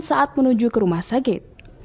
saat menuju ke rumah sakit